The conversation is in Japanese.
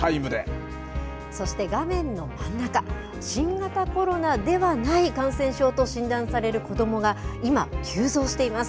そして画面のまん中、新型コロナではない感染症と診断される子どもが今、急増しています。